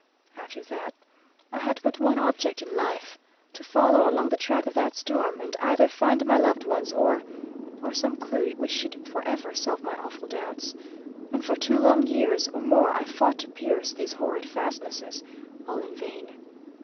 "After that, I had but one object in life: to follow along the track of that storm, and either find my loved ones, or or some clew which should for ever solve my awful doubts! And for two long years or more I fought to pierce these horrid fastnesses, all in vain.